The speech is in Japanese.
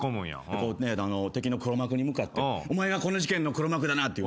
で敵の黒幕に向かって「お前がこの事件の黒幕だな」って言うんですよ。